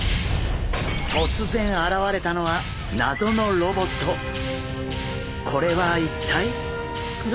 突然現れたのはこれは一体？